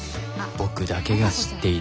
僕だけが知っている。